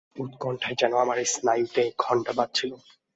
উৎকণ্ঠায় যেন আমার স্নায়ুতে ঘণ্টা বাজছিল।